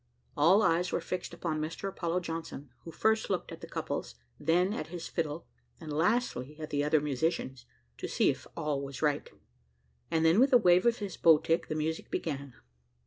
All eyes were fixed upon Mr Apollo Johnson, who first looked at the couples, then at his fiddle, and, lastly, at the other musicians, to see if all was right, and then with a wave of his bow tick the music began.